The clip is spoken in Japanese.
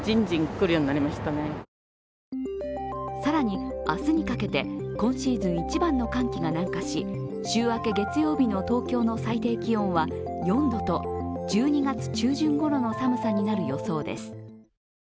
更に、明日にかけて今シーズン一番の寒気が南下し週明け月曜日の東京の最低気温は４度と１２月中旬頃の寒さになる予想です。